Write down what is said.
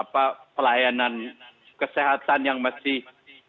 pelayanan kesehatan yang masih